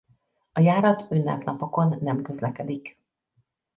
A járat ünnepnapokon nem közlekedik.